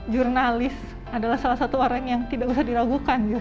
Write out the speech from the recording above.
jurnalis adalah salah satu orang yang tidak usah diragukan